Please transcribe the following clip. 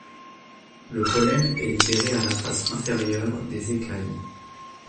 Le pollen est libéré à la face inférieure des écailles.